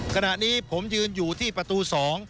ขณะนี้ผมยืนอยู่ที่ประตู๒